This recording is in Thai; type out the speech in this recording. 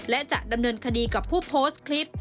และจะดำเนินคดีกับผู้โพสต์คลิป